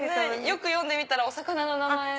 よく読んでみたらお魚の名前。